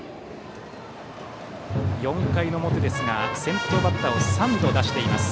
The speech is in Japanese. ４回の表ですが、先頭バッターを３度、出しています。